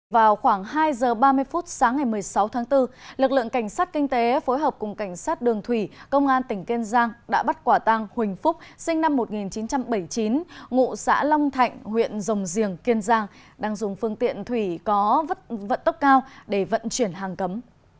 vào khoảng hai giờ ba mươi phút sáng ngày một mươi sáu tháng bốn lực lượng cảnh sát kinh tế phối hợp cùng cảnh sát đường thủy công an tỉnh kiên giang đã bắt quả tang huỳnh phúc sinh năm một nghìn chín trăm bảy mươi chín ngụ xã long thạnh huyện rồng giềng kiên giang đang dùng phương tiện thủy có vận tốc cao để vận chuyển hàng cấm